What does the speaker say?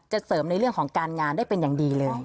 เสริมในเรื่องของการงานได้เป็นอย่างดีเลย